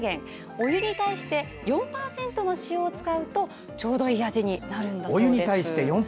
お湯に対して４％の塩を使うとちょうどいい味になるんだそうです。